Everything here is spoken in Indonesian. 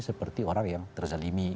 seperti orang yang terzalimi